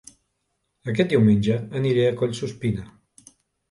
Aquest diumenge aniré a Collsuspina